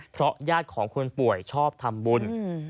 เพราะญาติของคนป่วยชอบทำบุญ